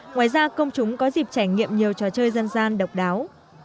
ngoài ra công chúng có dịp trải nghiệm nhiều trò chơi dân gian độc đáo